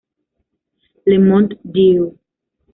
Le Mont-Dieu